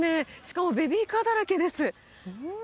しかもベビーカーだらけです